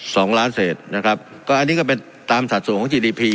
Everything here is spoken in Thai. สองล้านเศษนะครับก็อันนี้ก็เป็นตามสัดส่วนของจีดีพี